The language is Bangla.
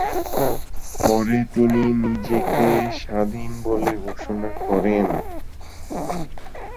পরে তিনি নিজেকে স্বাধীন বলে ঘোষণা করেন।